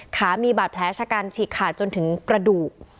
ขามีบาดแผลชะกันฉีกขาดจนถึงกระดูก